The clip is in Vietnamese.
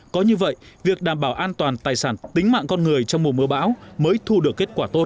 có như vậy việc đảm bảo an toàn tài sản tính mạng con người trong mùa mưa bão mới thu được kết quả tốt